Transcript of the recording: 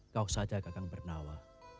kau saja kakak bernawa